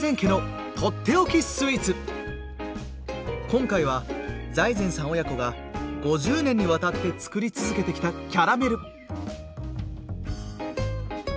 今回は財前さん親子が５０年にわたって作り続けてきたキャラメル！